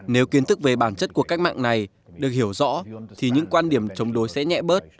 nếu kiến thức về bản chất của cách mạng này được hiểu rõ thì những quan điểm chống đối sẽ nhẹ bớt